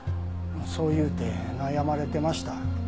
そう言うて悩まれてました。